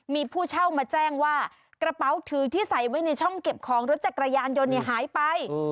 มีผู้เช่ามาแจ้งว่ากระเป๋าถือที่ใส่ไว้ในช่องเก็บของรถจักรยานยนต์หายไป